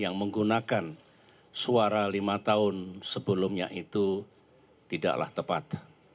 yang menggunakan suara lima tahun sebelumnya itu tidaklah tepat